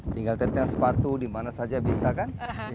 tinggal teteng sepatu dimana saja bisa kan